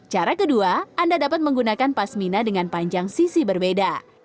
cara kedua anda dapat menggunakan pasmina dengan panjang sisi berbeda